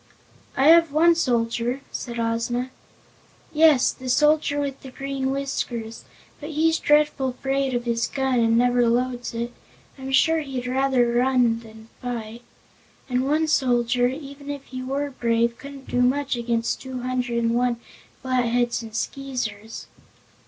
"I have one soldier," said Ozma. "Yes, the soldier with the green whiskers; but he's dreadful 'fraid of his gun and never loads it. I'm sure he'd run rather than fight. And one soldier, even if he were brave, couldn't do much against two hundred and one Flatheads and Skeezers."